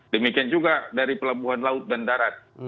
demikian juga dari pelabuhan laut dan darat